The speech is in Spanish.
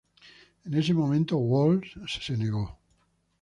En ese momento Walls se negó.